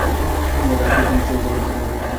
কার্তি নিশ্চয়ই তোমার জন্য অপেক্ষা করছে।